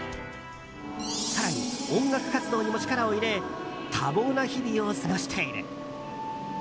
更に音楽活動にも力を入れ多忙な日々を過ごしている。